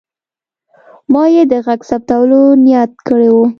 ما یې د غږ ثبتولو نیت کړی و.